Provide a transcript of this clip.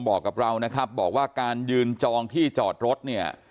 บอกกับเรานะครับบอกว่าการยืนจองที่จอดรถเนี่ย